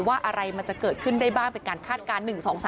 อะไรมันจะเกิดขึ้นได้บ้างเป็นการคาดการณ์๑๒๓